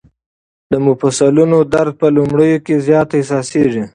د مفصلونو درد په لومړیو کې زیات احساسېږي.